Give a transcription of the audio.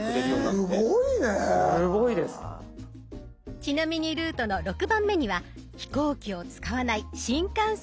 ちなみにルートの６番目には飛行機を使わない新幹線での行き方も出ています。